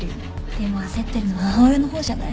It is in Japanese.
でも焦ってるのは母親の方じゃない？